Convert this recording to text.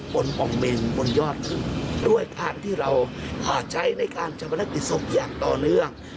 ป่องเมนบนยอดขึ้นด้วยการที่เราใช้ในการชะพนักกิจศพอย่างต่อเนื่อง